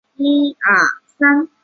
现任大使是长岭安政。